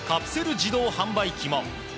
自動販売機も。